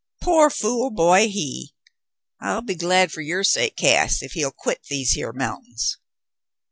Pore fool boy he ! I'll be glad fer yuer sake, Cass, if he'll quit these here mountains."